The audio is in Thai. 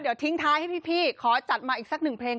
เดี๋ยวทิ้งท้ายให้พี่ขอจัดมาอีกสักหนึ่งเพลง